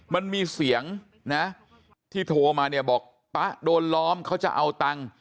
มันมีเสียงนะที่โทรมาเนี่ยบอกป๊าโดนล้อมเขาจะเอาตังค์